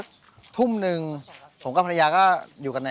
ชื่องนี้ชื่องนี้ชื่องนี้ชื่องนี้ชื่องนี้ชื่องนี้